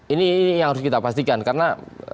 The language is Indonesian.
ini yang harus kita pastikan karena